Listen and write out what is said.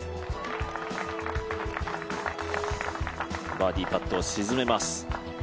バーディーパットを沈めます。